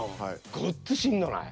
ごっつしんどない？